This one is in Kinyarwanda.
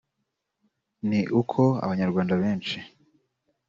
ni uko abanyarwanda benshi